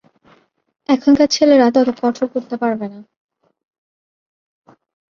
এখনকার ছেলেরা তত কঠোর করতে পারবে না।